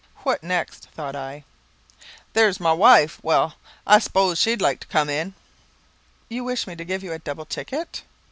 "What next?" thought I. "There's my wife. Well I s'pose she'd like to come in." "You wish me to give you a double ticket?"